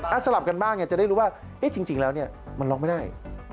อาจสลับกันบ้างจะได้รู้ว่าเอ๊ะจริงแล้วมันล็อกไม่ได้